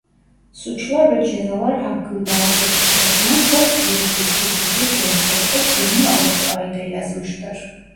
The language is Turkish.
Suçlar ve Cezalar Hakkında adlı kitabını çok büyük bir titizlik göstererek yirmi altı ayda yazmıştır.